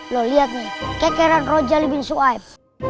lo lihat nih kekeran rojali bin suhaib